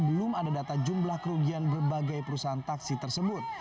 belum ada data jumlah kerugian berbagai perusahaan taksi tersebut